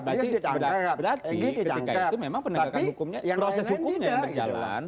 berarti ketika itu memang penegakan hukumnya proses hukumnya yang berjalan